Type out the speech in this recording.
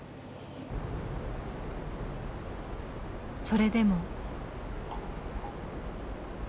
それでも。